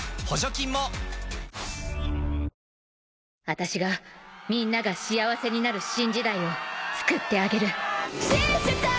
「私がみんなが幸せになる新時代をつくってあげる」